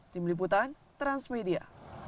tim liputan transmedia